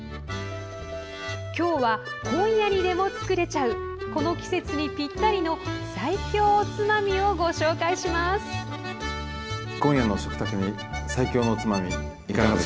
今日は今夜にでも作れちゃうこの季節にぴったりの最強おつまみをご紹介します。